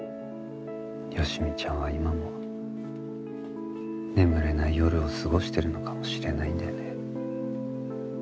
好美ちゃんは今も眠れない夜を過ごしてるのかもしれないんだよね。